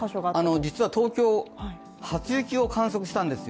実は東京、初雪を観測したんですよ。